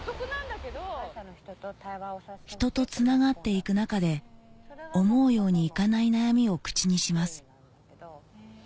人とつながって行く中で思うように行かない悩みを口にします